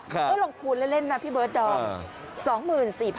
ก็ลองคูณเล่นนะพี่เบิร์ดดอม